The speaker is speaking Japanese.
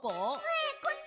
・えっこっち！？